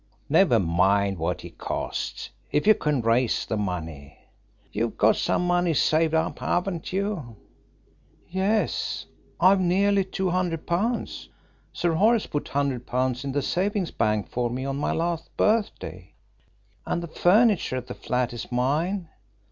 Never mind what he costs, if you can raise the money. You've got some money saved up, haven't you?" "Yes, I've nearly £200. Sir Horace put £100 in the Savings Bank for me on my last birthday. And the furniture at the flat is mine.